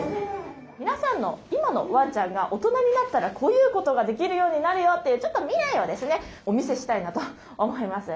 皆さんの今のワンちゃんが大人になったらこういうことができるようになるよというちょっと未来をですねお見せしたいなと思います。